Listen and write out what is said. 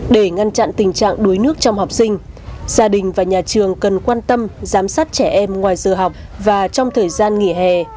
để ngăn chặn tình trạng đuối nước trong học sinh gia đình và nhà trường cần quan tâm giám sát trẻ em ngoài giờ học và trong thời gian nghỉ hè